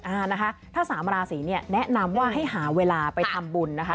อ่านะคะถ้าสามราศีเนี่ยแนะนำว่าให้หาเวลาไปทำบุญนะคะ